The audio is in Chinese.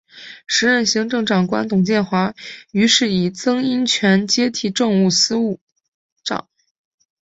时任行政长官董建华于是以曾荫权接替政务司司长。